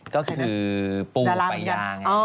ก็คือปูปายา